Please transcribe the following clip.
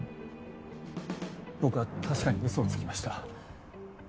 僕は確かにうそをつきました。